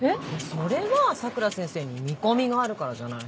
それは佐倉先生に見込みがあるからじゃない？